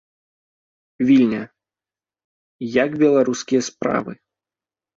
Вільня, як беларускія справы?